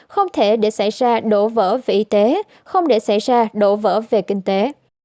không thể để xảy ra đổ vỡ về y tế không để xảy ra đổ vỡ về kinh tế